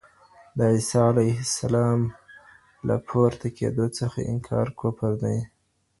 د عيسی عليه السلام له پورته کېدو څخه انکار کفر دی.